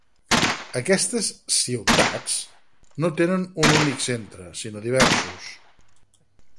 Aquestes "ciutats" no tenen un únic centre, sinó diversos.